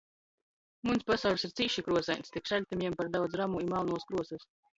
Muns pasauļs ir cīši kruosains, tik šaļtim jam par daudz ramu i malnuos kruosys.